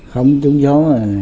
không trúng số